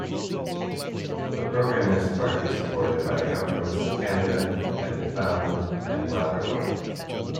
The program is partly supported by the governments of Canada and Newfoundland and Labrador.